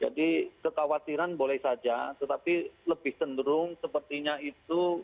jadi kekhawatiran boleh saja tetapi lebih cenderung sepertinya itu